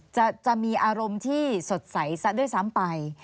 จะมีอารมณ์ที่สดใสซะด้วยซ้ำไป